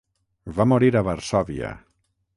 Va morir a Varsòvia.